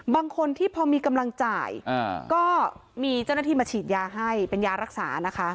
บางคนที่พอมีกำลังจ่ายก็มีเจ้าหน้าที่มาฉีดยาให้เป็นยารักษานะคะ